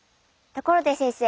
ところで先生